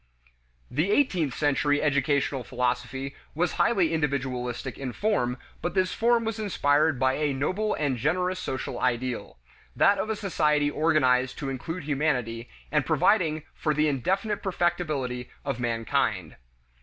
The eighteenth century educational philosophy was highly individualistic in form, but this form was inspired by a noble and generous social ideal: that of a society organized to include humanity, and providing for the indefinite perfectibility of mankind.